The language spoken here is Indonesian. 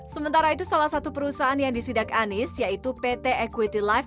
sementara itu salah satu perusahaan yang disidak anies yaitu pt equity life